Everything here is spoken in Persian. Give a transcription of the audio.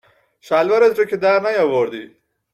شلوارت رو که درنیاوردی